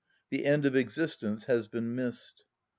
The end of existence has been missed.